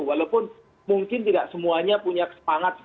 walaupun mungkin tidak semuanya punya semangat